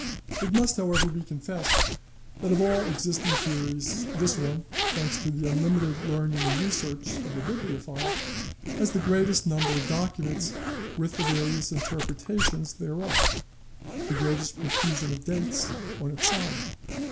It must, however, be confessed that of all existing theories, this one, thanks to the unlimited learning and research of the bibliophile, has the greatest number of documents with the various interpretations thereof, the greatest profusion of dates, on its side.